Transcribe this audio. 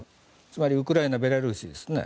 つまりウクライナ、ベラルーシですね。